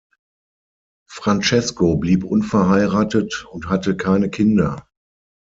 Francesco blieb unverheiratet und hatte keine Kinder.